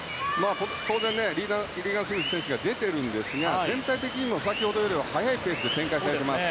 当然リーガン・スミス選手が出ているんですが全体的に、先ほどより速いペースで展開されてます。